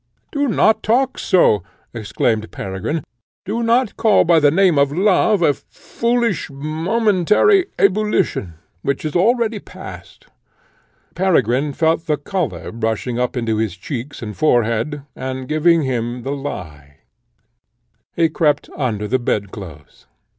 "Do not talk so!" exclaimed Peregrine. "Do not call by the name of love a foolish momentary ebullition, which is already past." Peregrine felt the colour rushing up into his cheeks and forehead, and giving him the lie. He crept under the bed clothes.